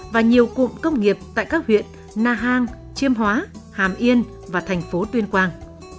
và nhiều cụm công nghiệp tại các huyện na hàng chiêm hóa hàm yên và thành phố tuyên quang